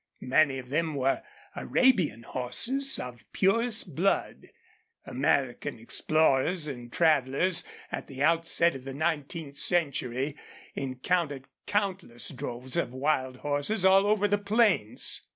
Many of them were Arabian horses of purest blood. American explorers and travelers, at the outset of the nineteenth century, encountered countless droves of wild horses all over the plains.